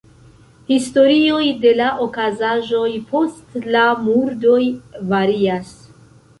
Historioj de la okazaĵoj post la murdoj varias.